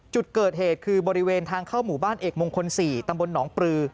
จุดเกิดเหตุคือบริเวณทางเข้าหมู่บ้านเอกมงคล๔ตำบลหนองปลือ